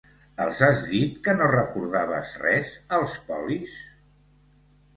Els has dit que no recordaves res, als polis?